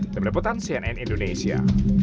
depan deputan cnn indonesia